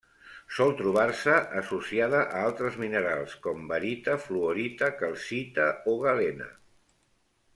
Sol trobar-se associada a altres minerals com: barita, fluorita, calcita o galena.